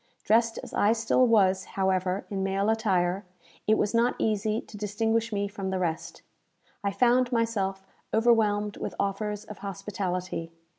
Dressed as I still was, however, in male attire, it was not easy to distinguish me from the rest. I found myself overwhelmed with offers of hospitality.